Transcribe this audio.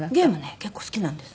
結構好きなんです。